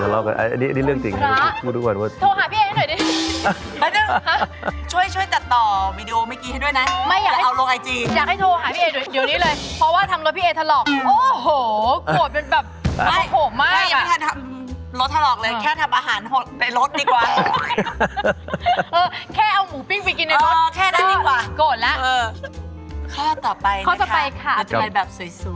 จริงก็รถทะหรอกส่งเข้าอู่ทำสีซ่อมก็จบ